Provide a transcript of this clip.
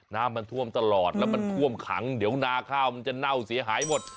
น้ำมันท่วมตลอดแล้วมันท่วมขังเดี๋ยวนาข้าวมันจะเน่าเสียหายหมด